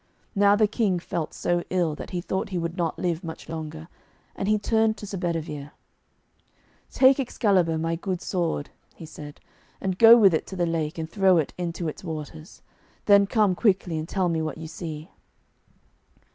Now the King felt so ill that he thought he would not live much longer, and he turned to Sir Bedivere: 'Take Excalibur, my good sword,' he said, 'and go with it to the lake, and throw it into its waters. Then come quickly and tell me what you see.'